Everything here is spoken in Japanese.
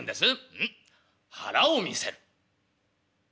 「うん腹を見せる」。